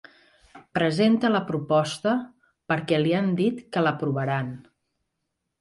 Presenta la proposta perquè li han dit que l'aprovaran.